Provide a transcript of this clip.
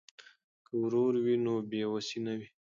که ورور وي نو بې وسي نه وي.